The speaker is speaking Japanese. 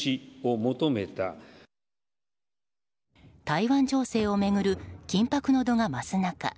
台湾情勢を巡る緊迫の度が増す中